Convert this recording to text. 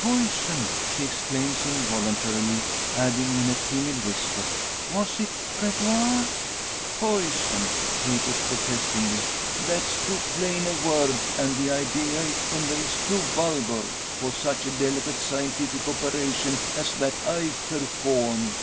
"Poison!" she exclaims involuntarily, adding, in a timid whisper, "Was it, Gregoire?" "Poison!" he echoes, protestingly. "That's too plain a word, and the idea it conveys too vulgar, for such a delicate scientific operation as that I've performed.